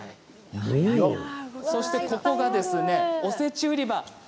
そしてここがおせち売り場です。